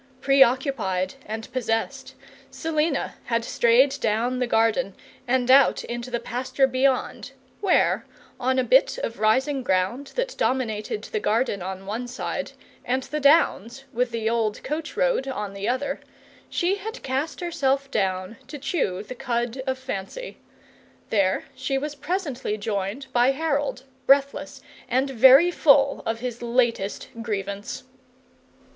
Preoccupied and possessed, Selina had strayed down the garden and out into the pasture beyond, where, on a bit of rising ground that dominated the garden on one side and the downs with the old coach road on the other, she had cast herself down to chew the cud of fancy. There she was presently joined by Harold, breathless and very full of his latest grievance.